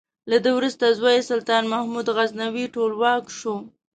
له ده وروسته زوی یې سلطان محمود غزنوي ټولواک شو.